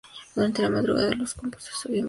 Durante la madrugada, los cómputos subían vagamente.